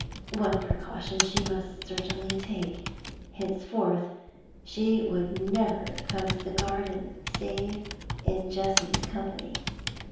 One precaution she must certainly take; henceforth she would never come to the garden save in Jessie's company.